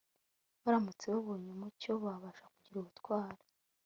Baramutse babonye umucyo babasha kugira ubutwari